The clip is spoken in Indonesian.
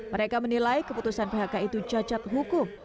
mereka menilai keputusan phk itu cacat hukum